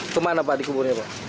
kemana pak di kuburnya pak